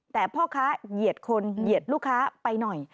แต่พ่อค้าเหยียดคนเหยียดลูกค้าไปหน่อย